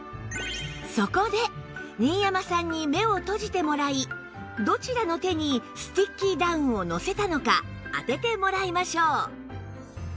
そこで新山さんに目を閉じてもらいどちらの手にスティッキーダウンをのせたのか当ててもらいましょう